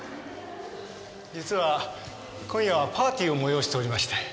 実は今夜はパーティーを催しておりまして。